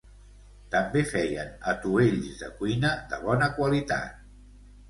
També feien atuells de cuina de bona qualitat.